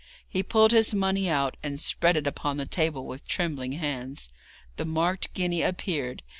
He pulled his money out, and spread it upon the table with trembling hands. The marked guinea appeared.